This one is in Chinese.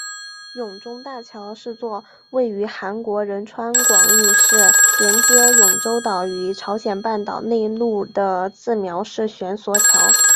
永宗大桥是座位于韩国仁川广域市连接永宗岛于朝鲜半岛内陆的自锚式悬索桥。